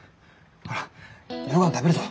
ほら夜ごはん食べるぞ。